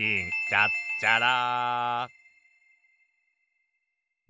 ちゃっちゃら！